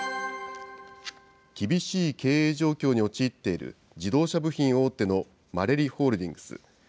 厳しい経営状況に陥っている、自動車部品大手のマレリホールディングス。